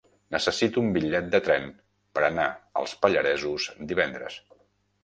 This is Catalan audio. Necessito un bitllet de tren per anar als Pallaresos divendres.